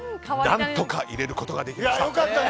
何とか入れることができました。